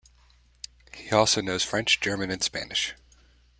He also knows French, German and Spanish.